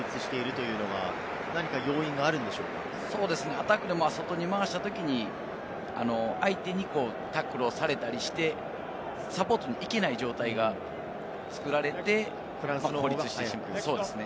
アタックで外に回したときに相手にタックルをされたりして、サポートに行けない状態が作られて、孤立してしまう。